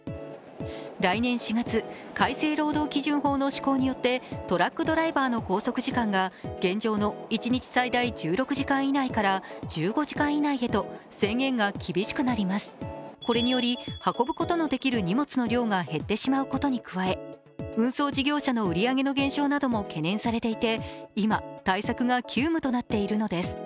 来年４月、改正労働基準法の施行によってトラックドライバーの拘束時間が現状の一日最大１６時間以内から１５時間以内へと制限が厳しくなります、これにより運ぶことができる荷物の量が減ってしまうことに加え運送事業者の売り上げの減少なども懸念されていて今対策作が急務となっているのです。